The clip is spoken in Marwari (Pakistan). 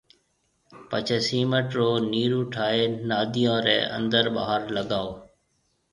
پڇيَ سيمنٽ رو نيِرو ٺائيَ ناديون رَي اندر ٻاھر لگائو